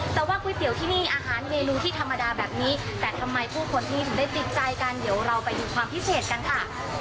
แต่ว่าก๋วยเตี๋ยวที่นี่อาหารเมนูที่ธรรมดาแบบนี้แต่ทำไมผู้คนที่ถึงได้ติดใจกันเดี๋ยวเราไปดูความพิเศษกันค่ะ